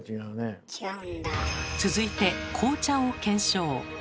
続いて紅茶を検証。